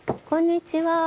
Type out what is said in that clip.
こんにちは。